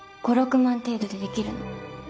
５万６万程度でできるの。